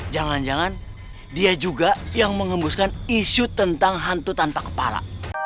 jangan jangan dia juga yang mengembuskan isu tentang hantu tanpa kepala